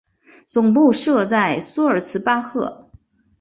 总部设在苏尔茨巴赫。